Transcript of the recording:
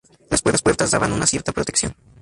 Las puertas daban una cierta protección.